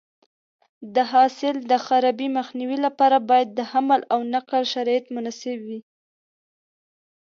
د حاصل د خرابي مخنیوي لپاره باید د حمل او نقل شرایط مناسب وي.